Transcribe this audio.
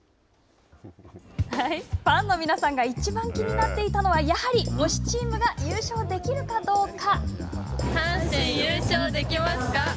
ファンの皆さんがいちばん気になっていたのは、やはり推しチームが優勝できるかどうか。